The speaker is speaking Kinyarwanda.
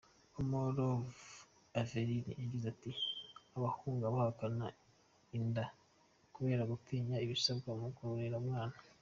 Uwamahoro Everine yagize ati “Abahungu bahakana inda kubera gutinya ibisabwa mu kurera umwana.